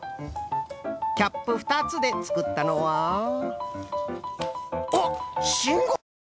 キャップふたつでつくったのはおっしんごうか！